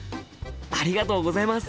ありがとうございます！